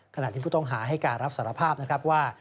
ขณะที่ผู้ต้องหาให้การรับสารภาพนะครับว่า